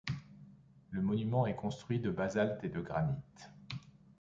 Le monument est construit de basalte et de granit.